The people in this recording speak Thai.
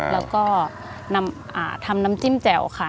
แล้วก็ทำน้ำจิ้มแจ่วค่ะ